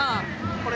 これ？